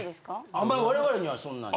あんまり我々にはそんなに。